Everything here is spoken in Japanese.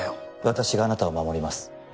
私があなたを守ります